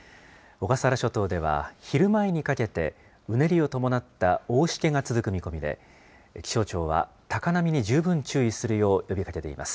小笠原諸島では昼前にかけて、うねりを伴った大しけが続く見込みで、気象庁は高波に十分注意するよう呼びかけています。